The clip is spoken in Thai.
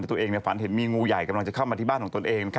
ตัวเองฝันเห็นมีงูใหญ่กำลังจะเข้ามาที่บ้านของตนเอง